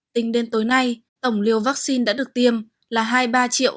tính đến tối nay tổng liều vaccine đã được tiêm là hai mươi ba năm trăm bảy mươi bảy chín trăm một mươi bảy liều